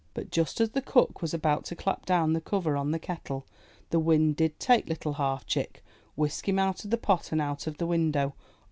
'' But just as the Cook was about to clap down the cover again on the kettle, the Wind did take Little Half Chick, whisk him out of the pot and out of the window.